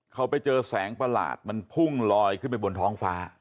เขาไปเจอแสงประหลาดมันพุ่งลอยขึ้นไปบนท้องฟ้า